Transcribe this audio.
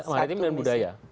maritim dan budaya